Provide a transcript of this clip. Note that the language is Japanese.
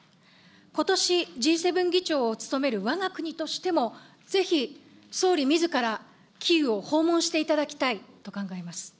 ことし、Ｇ７議長を務めるわが国としても、ぜひ総理みずからキーウを訪問していただきたいと考えます。